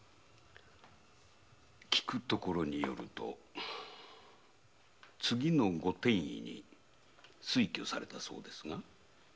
聞くところによると次のご典医に推挙されたそうですね？